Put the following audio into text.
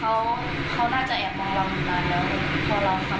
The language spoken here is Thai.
เขาน่าจะแอบมองเรากำลังแล้ว